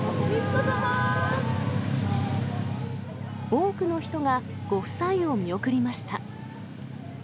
多くの人がご夫妻を見送りました。